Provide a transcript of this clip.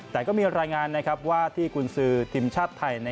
แต่ก็มีรายงานว่าที่กุญสือทีมชาติไทย